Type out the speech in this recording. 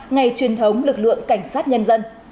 ngày truyền thống lực lượng cảnh sát nhân dân